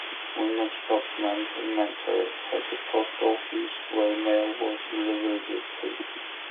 Windom stop, later "Mentor", had a post office where mail was delivered weekly.